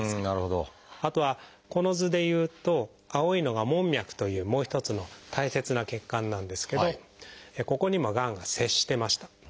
あとはこの図でいうと青いのが「門脈」というもう一つの大切な血管なんですけどここにもがんが接してました。